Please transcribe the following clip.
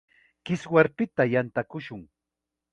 Kiswarpita yantakushun.